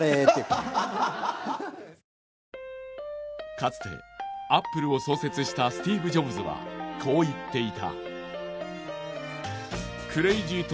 かつて「Ａｐｐｌｅ」を創設したスティーブ・ジョブズはこう言っていた。